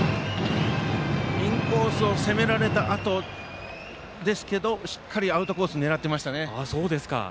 インコースを攻められたあとですけどしっかりアウトコースを狙っていましたね。